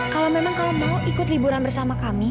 kalau memang kamu mau ikut liburan bersama kami